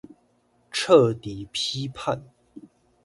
徹底批判